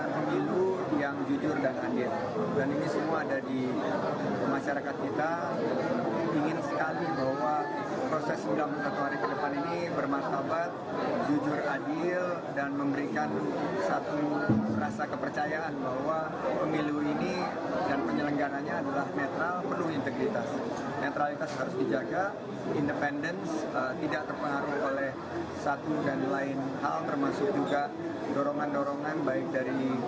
tidak terpengaruh oleh satu dan lain hal termasuk juga dorongan dorongan baik dari pihak komposisi maupun juga dari pihak penguasa